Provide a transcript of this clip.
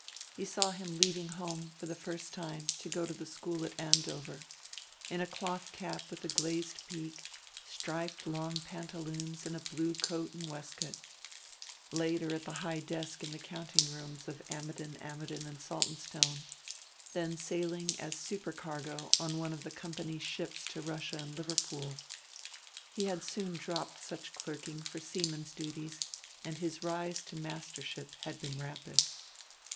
He saw him leaving home, for the first time, to go to the school at Andover, in a cloth cap with a glazed peak, striped long pantaloons and blue coat and waistcoat; later at the high desk in the counting rooms of Ammidon, Ammidon and Saltonstone; then sailing as supercargo on one of the Company's ships to Russia and Liverpool. He had soon dropped such clerking for seamen's duties, and his rise to mastership had been rapid.